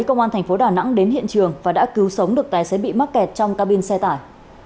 công an thành phố đà nẵng đến hiện trường và đã cứu sống được tài xế bị mắc kẹt trong cabin xe tải